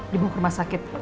di bu kurma sakit